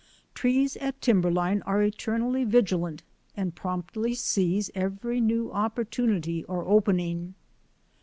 Trees at timberline are eternally vigilant and promptly seize every new opportunity or opening.